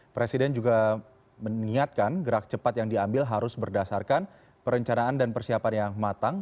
presiden juga mengingatkan gerak cepat yang diambil harus berdasarkan perencanaan dan persiapan yang matang